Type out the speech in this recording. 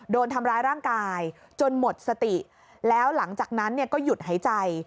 โดนทำร้ายร่างกายจนหมดสติแล้วหลังจากนั้นเนี่ยก็หยุดหายใจ